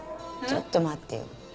ちょっと待って。